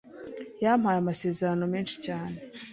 yampaye amasezerano menshi cyane